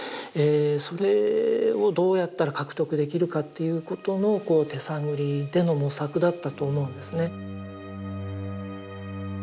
それをどうやったら獲得できるかっていうことの手探りでの模索だったと思うんですね。